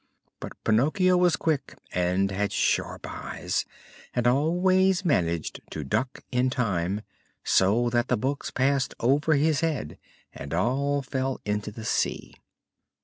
But Pinocchio was quick and had sharp eyes, and always managed to duck in time, so that the books passed over his head and all fell into the sea.